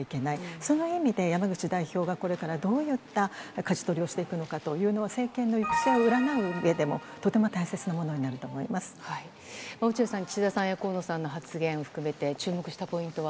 その意味で、山口代表はこれからどういったかじ取りをしていくのかというのは、政権の行く末を占ううえでも、とても大切なものになると思いま落合さん、岸田さんや河野さんの発言含めて、注目したポイントは？